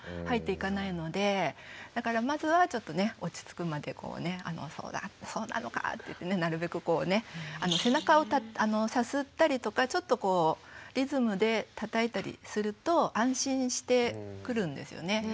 だからまずはちょっとね落ち着くまで「そうなのか」ってなるべくこうね背中をさすったりとかちょっとリズムでたたいたりすると安心してくるんですよね。